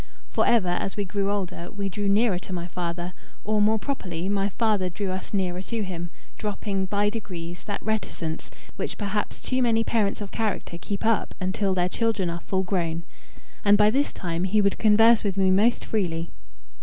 For, ever as we grew older, we drew nearer to my father, or, more properly, my father drew us nearer to him, dropping, by degrees, that reticence which, perhaps, too many parents of character keep up until their children are full grown; and by this time he would converse with me most freely.